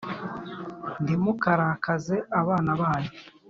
Ntimukarakaze abana banyu